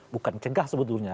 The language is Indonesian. bukan cegah sebetulnya